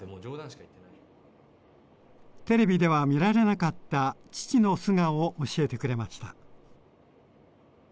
テレビでは見られなかった父の素顔を教えてくれました。